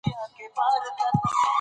د جوارو حاصلات په مني کې راټولیږي.